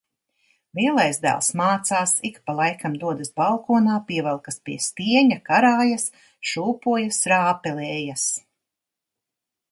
Lielais dēls mācās, ik pa laikam dodas balkonā, pievelkas pie stieņa, karājas, šūpojas, rāpelējas.